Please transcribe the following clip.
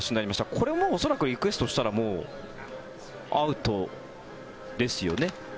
これもう恐らくリクエストしたらアウトですよね。